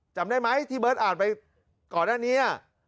จำได้ไหมที่เบิร์ตอ่านไปก่อนหน้านี้